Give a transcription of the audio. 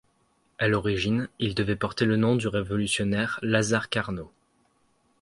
À l'origine, il devait porter le nom du révolutionnaire Lazare Carnot.